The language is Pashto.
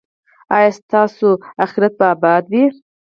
ایا ستاسو اخرت به اباد وي؟